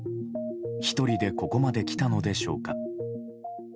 １人でここまで来たのでしょうか。